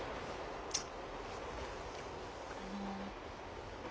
あの。